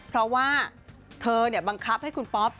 เพราะว่าเธอบังคับให้คุณป๊อป